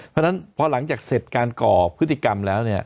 เพราะฉะนั้นพอหลังจากเสร็จการก่อพฤติกรรมแล้วเนี่ย